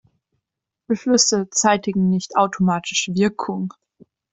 Beschlüsse zeitigen nicht automatisch Wirkung.